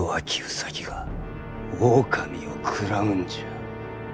兎が狼を食らうんじゃ。